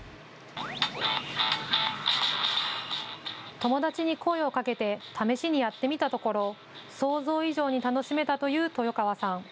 友達に声をかけて試しにやってみたところ想像以上に楽しめたという豊川さん。